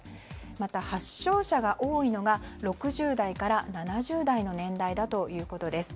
また発症者が多いのが６０代から７０代の年代だということです。